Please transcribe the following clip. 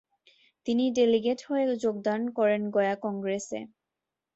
তিনি ডেলিগেট হয়ে যোগদান করেন গয়া কগ্রেসে।